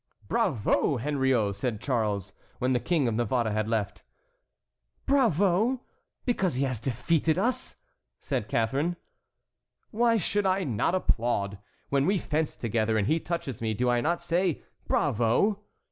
"Bravo, Henriot!" said Charles, when the King of Navarre had left. "Bravo! because he has defeated us?" said Catharine. "Why should I not applaud? When we fence together and he touches me do I not say 'bravo'?